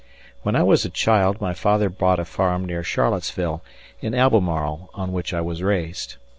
When I was a child my father bought a farm near Charlottesville, in Albemarle, on which I was raised.